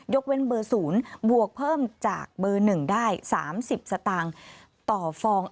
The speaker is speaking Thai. เว้นเบอร์๐บวกเพิ่มจากเบอร์๑ได้๓๐สตางค์ต่อฟอง